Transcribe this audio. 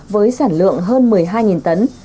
với sản lượng hơn một mươi hai tấn